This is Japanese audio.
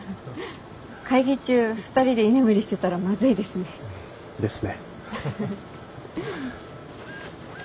会議中２人で居眠りしてたらまずいですね。ですね。